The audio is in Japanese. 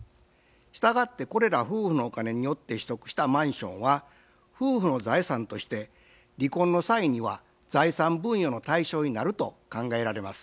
したがってこれら夫婦のお金によって取得したマンションは夫婦の財産として離婚の際には財産分与の対象になると考えられます。